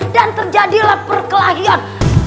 dan terjadilah perkelahian